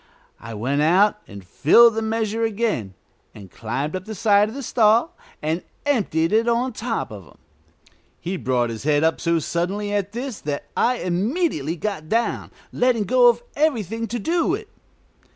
I went out and filled the measure again, and climbed up the side of the stall and emptied it on top of him. He brought his head up so suddenly at this that I immediately got down, letting go of everything to do it.